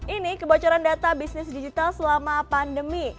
ini kebocoran data bisnis digital selama pandemi